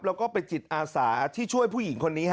แล้วก็เป็นจิตอาสาที่ช่วยผู้หญิงคนนี้